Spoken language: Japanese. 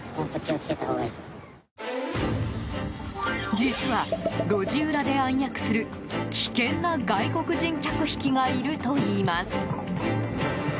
実は、路地裏で暗躍する危険な外国人客引きがいるといいます。